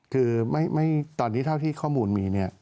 คือไม่ตอนนี้เท่าที่ข้อมูลมี